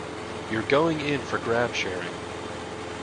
You're going in for grab sharing.